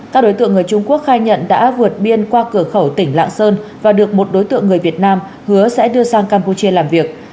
các đối tượng người trung quốc khai nhận đã vượt biên qua cửa khẩu tỉnh lạng sơn và được một đối tượng người việt nam hứa sẽ đưa sang campuchia làm việc